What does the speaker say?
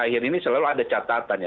akhir ini selalu ada catatan ya